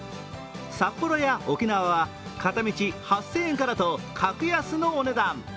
札幌や沖縄は片道８０００円からと格安のお値段。